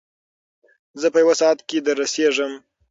زه په یو ساعت کې در رسېږم.